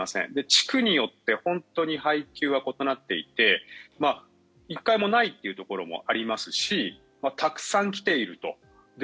地区によって本当に配給は異なっていて１回もないというところもありますしたくさん来ていると。